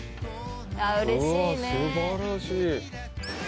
素晴らしい。